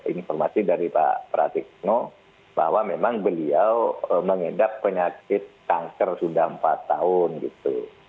informasi dari pak pratikno bahwa memang beliau mengidap penyakit kanker sudah empat tahun gitu